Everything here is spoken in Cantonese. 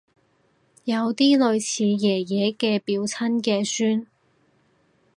有啲類似爺爺嘅表親嘅孫